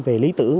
về lý tưởng